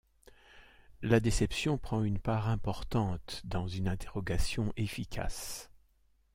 La déception prend une part importante dans une interrogation efficace.